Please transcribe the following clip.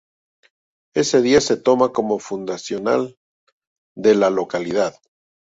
Ese día se toma como fundacional de la localidad.